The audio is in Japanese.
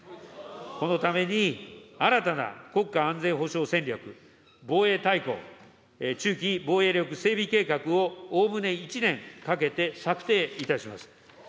このために新たな国家安全保障戦略、防衛大綱、中期防衛力整備計画をおおむね１年かけて策定いたします。